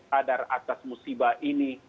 sadar atas musibah ini